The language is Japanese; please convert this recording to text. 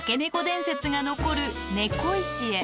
伝説が残る猫石へ。